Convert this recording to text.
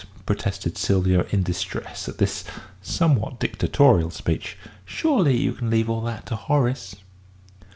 protested Sylvia, in distress at this somewhat dictatorial speech. "Surely you can leave all that to Horace!"